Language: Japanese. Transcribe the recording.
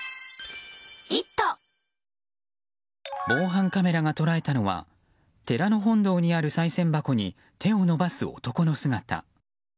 防犯カメラが捉えたのは寺の本堂にある、さい銭箱に手を伸ばす男の姿。